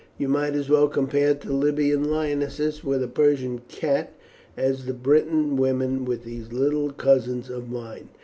You might as well compare a Libyan lioness with a Persian cat as the British women with these little cousins of mine."